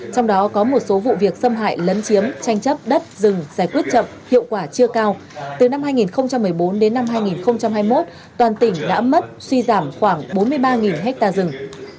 trong đó có một số vụ việc xâm hại lấn chiếm tranh chấp đất rừng giải quyết chậm hiệu quả chưa cao từ năm hai nghìn một mươi bốn đến năm hai nghìn hai mươi một toàn tỉnh đã mất suy giảm khoảng bốn mươi ba ha rừng